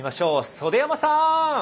袖山さん！